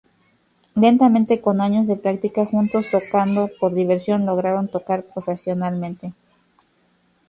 Lentamente, con años de práctica juntos, tocando por diversión, lograron tocar profesionalmente.